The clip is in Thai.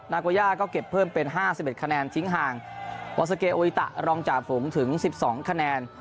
นาโกย่าก็เก็บเพิ่มเป็นห้าสิบเอ็ดคะแนนทิ้งหาวัสเกโออิตะรองจ่าฝูงถึงสิบสองคะแนน